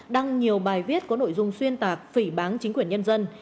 đăng nhiều bài viết có nội dung xuyên tạc phỉ bán chính quyền nhân dân